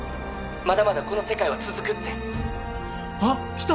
まだまだこの世界は続くってあっ来た！